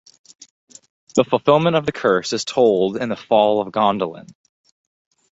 The fulfilment of the curse is told in the "Fall of Gondolin".